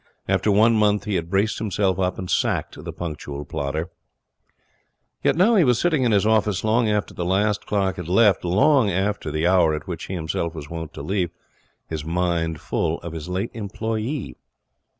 After one month he had braced himself up and sacked the Punctual Plodder. Yet now he was sitting in his office, long after the last clerk had left, long after the hour at which he himself was wont to leave, his mind full of his late employee.